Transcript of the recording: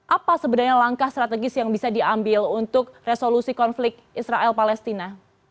apa sebenarnya langkah strategis yang bisa diambil untuk resolusi konflik israel palestina